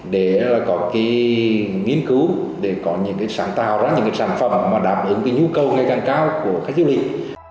để có nghiên cứu để có những sản phẩm đáp ứng nhu cầu ngày càng cao của khách du lịch